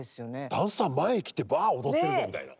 ダンサー前来てバーッ踊ってるぞみたいな。